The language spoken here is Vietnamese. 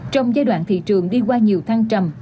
trong giai đoạn thị trường đi qua nhiều thăng trầm